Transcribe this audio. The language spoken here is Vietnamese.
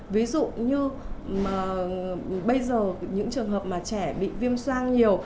ví dụ như bây giờ những trường hợp mà trẻ bị viêm sang nhiều